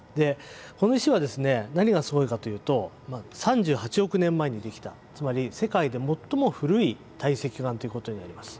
この石はですね何がすごいかというと３８億年前にできたつまり世界で最も古い堆積岩ということになります。